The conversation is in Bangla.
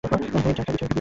হেই, চা খাবি?